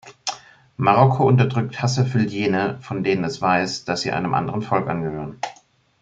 Marokko unterdrückt hasserfüllt jene, von denen es weiß, dass sie einem anderen Volk angehören.